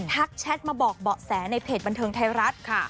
แชทมาบอกเบาะแสในเพจบันเทิงไทยรัฐค่ะ